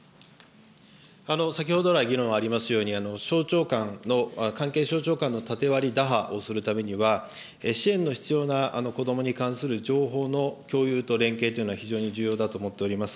先ほど来、議論ありますように、省庁間の、関係省庁間の縦割り打破をするためには、支援の必要な子どもに関する情報の共有と連携というのは非常に重要だと思っております。